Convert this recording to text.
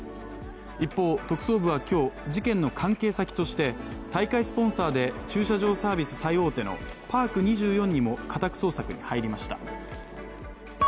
一方、特捜部は今日事件の関係先として、大会スポンサーで駐車場サービス最大手のパーク２４にも家宅捜索に入りました。